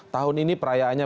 tahun ini perayaannya